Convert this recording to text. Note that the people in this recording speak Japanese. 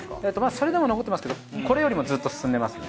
それでも残ってますけどこれよりもずっと進んでますね。